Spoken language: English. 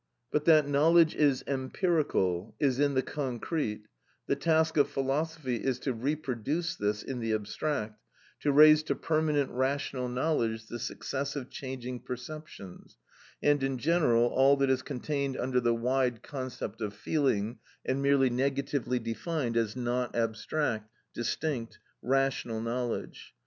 But that knowledge is empirical, is in the concrete; the task of philosophy is to reproduce this in the abstract to raise to permanent rational knowledge the successive changing perceptions, and in general, all that is contained under the wide concept of feeling and merely negatively defined as not abstract, distinct, rational knowledge.